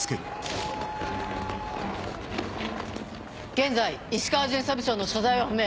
現在石川巡査部長の所在は不明。